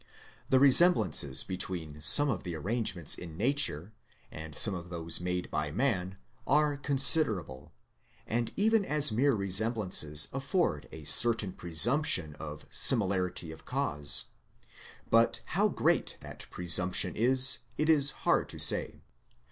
The resem blances between some of the arrangements in nature and some of those made by man are considerable, and even as mere resemblances afford a certain presump tion of similarity of cause : but how great that presumption is, it is hard to say.